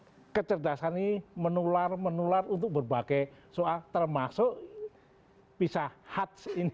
karena kecerdasan ini menular menular untuk berbagai soal termasuk pisah hats ini